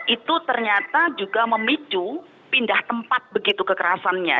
itu ternyata juga memicu pindah tempat begitu kekerasannya